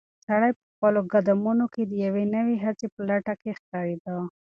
سړی په خپلو قدمونو کې د یوې نوې هڅې په لټه کې ښکارېده.